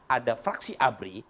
ada fraksi abri